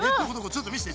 ちょっと見せて。